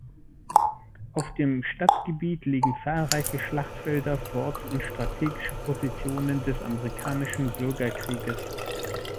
Auf dem Stadtgebiet liegen zahlreiche Schlachtfelder, Forts und strategische Positionen des Amerikanischen Bürgerkrieges.